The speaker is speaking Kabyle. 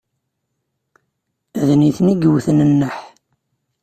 D nitni ay iwten nneḥ.